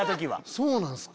そうなんすか。